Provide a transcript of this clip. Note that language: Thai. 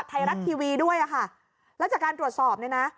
ไทยรัฐทีวีด้วยอ่ะค่ะแล้วจากการตรวจสอบเนี่ยนะ